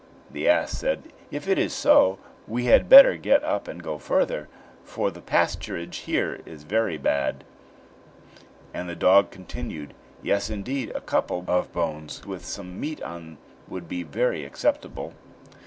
The ass said: "If it is so, we had better get up and go farther, for the pasturage here is very bad"; and the dog continued: "Yes, indeed! a couple of bones with some meat on would be very acceptable!"